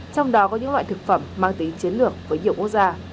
trong đó có những loại thực phẩm mang tính chiến lược với nhiều quốc gia